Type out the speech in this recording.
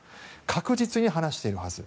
確実に話しているはず。